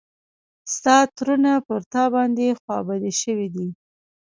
ستا ترونه پر تا باندې خوا بدي شوي دي.